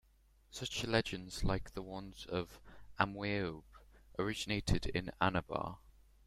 Such legends like the ones of 'Amwieob' originated in Anabar.